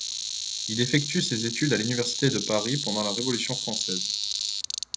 Il effectue ses études à l'Université de Paris pendant la Révolution française.